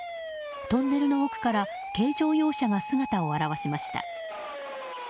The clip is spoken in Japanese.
トンネルの奥から軽乗用車が姿を現しました。